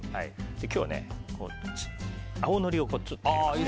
今日は、青のりをちょっと入れます。